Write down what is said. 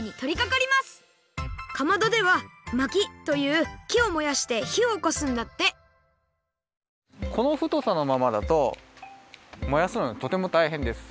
かまどではまきというきをもやしてひをおこすんだってこのふとさのままだともやすのがとてもたいへんです。